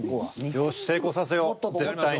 よし成功させよう絶対に。